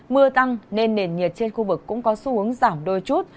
mưa tăng nên nền nhiệt trên khu vực cũng có xu hướng giảm đôi chút